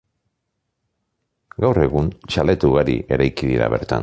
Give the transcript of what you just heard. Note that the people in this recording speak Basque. Gaur egun txalet ugari eraiki dira bertan.